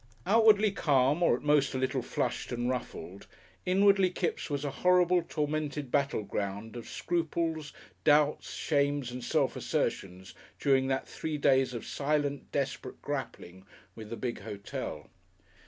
Outwardly calm, or at most a little flushed and ruffled, inwardly Kipps was a horrible, tormented battleground of scruples, doubts, shames and self assertions during that three days of silent, desperate grappling with the big hotel.